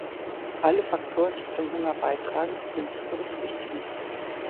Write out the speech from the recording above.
Alle Faktoren, die zum Hunger beitragen, sind zu berücksichtigen.